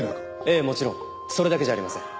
ええもちろんそれだけじゃありません。